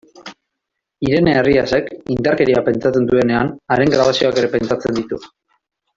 Irene Arriasek, indarkeria pentsatzen duenean, haren grabazioak ere pentsatzen ditu.